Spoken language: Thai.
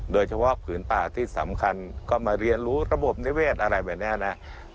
ผืนป่าที่สำคัญก็มาเรียนรู้ระบบนิเศษอะไรแบบนี้นะ